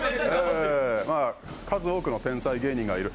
数多くの天才芸人がいる。